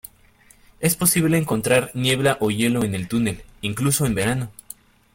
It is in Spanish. Es posible encontrar niebla o hielo en el túnel, incluso en verano.